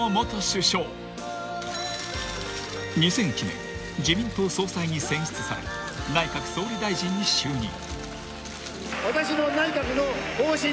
［２００１年自民党総裁に選出され内閣総理大臣に就任］